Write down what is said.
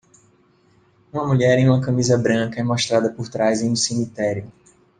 Uma mulher em uma camisa branca é mostrada por trás em um cemitério.